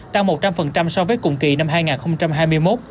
tăng một trăm linh so với cùng kỳ năm hai nghìn hai mươi một